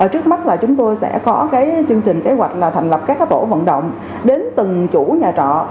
trước mắt là chúng tôi sẽ có chương trình kế hoạch là thành lập các tổ vận động đến từng chủ nhà trọ